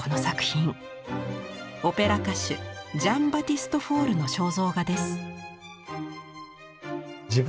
オペラ歌手ジャン＝バティスト・フォールの肖像画です。